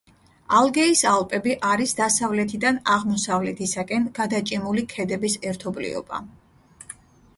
ალგეის ალპები არის დასავლეთიდან აღმოსავლეთისაკენ გადაჭიმული ქედების ერთობლიობა.